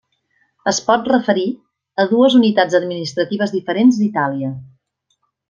Es pot referir a dues unitats administratives diferents d'Itàlia.